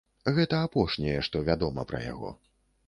Гэта апошняе, што вядома пра яго.